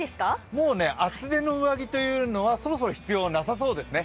もう、厚手の上着というのはそろそろ必要なさそうですね。